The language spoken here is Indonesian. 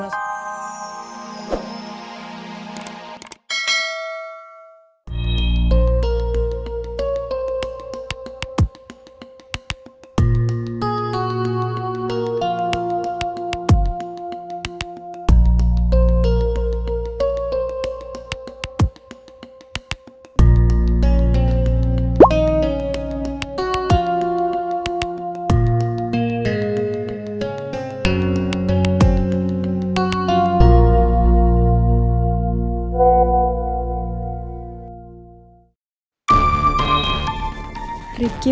lalu andai andai lah